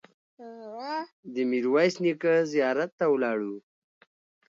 د میرویس نیکه زیارت ته ولاړو.